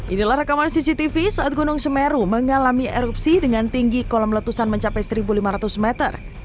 inilah rekaman cctv saat gunung semeru mengalami erupsi dengan tinggi kolam letusan mencapai satu lima ratus meter